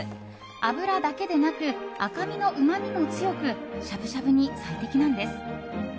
脂だけでなく赤身のうまみも強くしゃぶしゃぶに最適なんです。